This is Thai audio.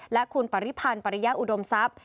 และคุณปริพันธ์ปริยาอุดมทรัพย์